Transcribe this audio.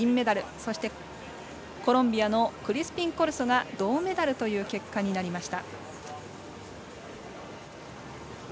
そして、コロンビアのクリスピンコルソが銅メダルという結果でした。